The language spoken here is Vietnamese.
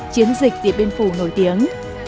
chiến dịch điện biên phủ nổi tiếng